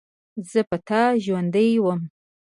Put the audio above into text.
زه په تا ژوندۍ وم.